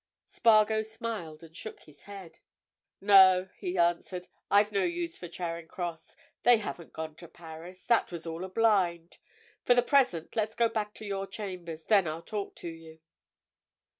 Spargo smiled and shook his head. "No," he answered. "I've no use for Charing Cross. They haven't gone to Paris. That was all a blind. For the present let's go back to your chambers. Then I'll talk to you."